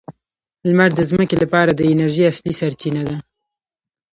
لمر د ځمکې لپاره د انرژۍ اصلي سرچینه ده.